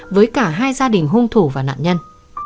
với cả hai gia đình hung thủ và nạn nhân